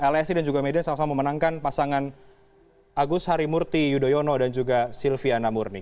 lsi dan juga median sama sama memenangkan pasangan agus harimurti yudhoyono dan juga silviana murni